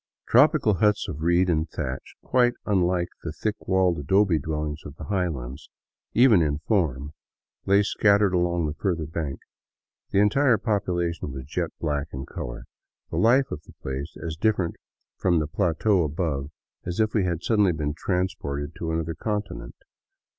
Tropical huts of reeds and thatch, quite unlike the thick walled adobe dwellings of the highlands, even in form, lay scattered along the further bank. The entire population was jet black in color; the life of the place as different from the plateau above as if we had suddenly been transported to another continent.